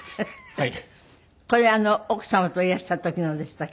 はい。